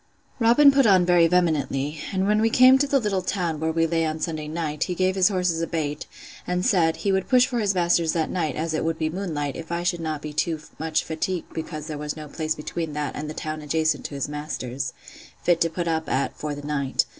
Robin put on very vehemently; and when we came to the little town, where we lay on Sunday night, he gave his horses a bait, and said, he would push for his master's that night, as it would be moon light, if I should not be too much fatigued because there was no place between that and the town adjacent to his master's, fit to put up at, for the night.